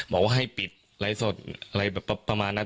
บอกว่าให้ปิดไลฟ์สดอะไรแบบประมาณนั้น